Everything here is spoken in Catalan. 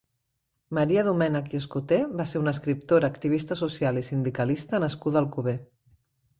Maria Domènech i Escoté va ser una escriptora, activista social i sindicalista nascuda a Alcover.